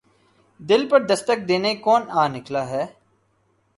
دل پر دستک دینے کون آ نکلا ہے